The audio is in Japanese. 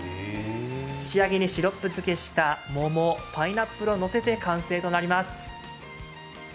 仕上げにシロップ漬けした桃、パイナップルをのせて完成となります。